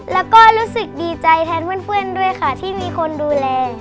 แล้วก็รู้สึกดีใจแทนเพื่อนด้วยค่ะที่มีคนดูแล